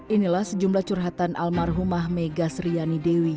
inilah sejumlah curhatan almarhumah megas riani dewi